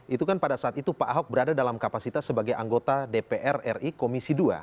itu kan pada saat itu pak ahok berada dalam kapasitas sebagai anggota dpr ri komisi dua